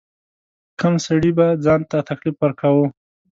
کم سړي به ځان ته تکلیف ورکاوه.